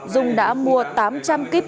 dung đã mua tám trăm linh kíp